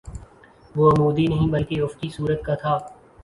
وہ عمودی نہیں بلکہ افقی صورت کا تھا